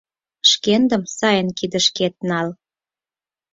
Шкендым сайын кидышкет нал.